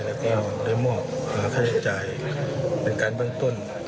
แล้วก็ได้มอบค่าใช้จ่ายเป็นการเบื้องต้น